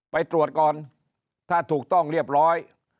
ไปตรวจก่อนถ้าถูกต้องเรียบร้อย